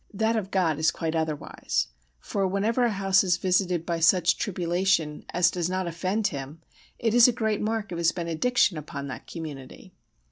That of God is quite otherwise: for whenever a house is visited by such tribulation as does not offend Him it is a great mark of His benediction upon that community.